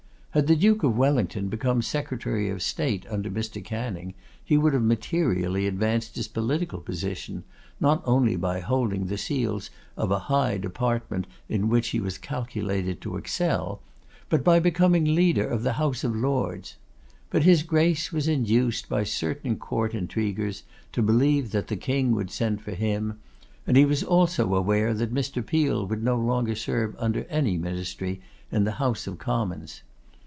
Had the Duke of Wellington become Secretary of State under Mr. Canning he would have materially advanced his political position, not only by holding the seals of a high department in which he was calculated to excel, but by becoming leader of the House of Lords. But his Grace was induced by certain court intriguers to believe that the King would send for him, and he was also aware that Mr. Peel would no longer serve under any ministry in the House of Commons.